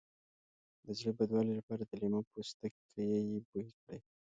د زړه بدوالي لپاره د لیمو پوستکی بوی کړئ